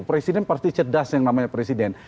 presiden pasti cerdas yang namanya presiden